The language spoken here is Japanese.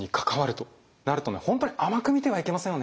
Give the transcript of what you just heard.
本当に甘く見てはいけませんよね。